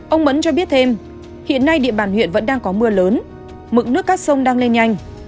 ông mẫn cho biết thêm hiện nay địa bàn huyện vẫn đang có mưa lớn mực nước các sông đang lên nhanh